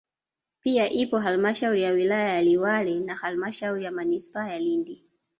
Pia ipo halmashauri ya wilaya ya Liwale na halmashauri ya manispaa ya Lindi